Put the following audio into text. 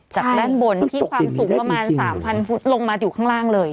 จากด้านบนที่ความสูงประมาณ๓๐๐ฟุตลงมาอยู่ข้างล่างเลย